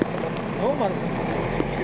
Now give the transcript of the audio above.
ノーマルですか？